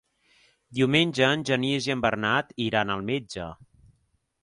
Diumenge en Genís i en Bernat iran al metge.